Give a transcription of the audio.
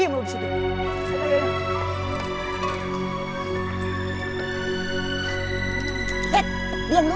aka pantai atau akan akan sabar